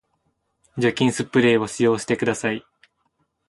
除菌スプレーを使用してください